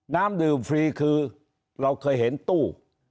น้ำดื่มฟรีคือเราเคยเห็นตู้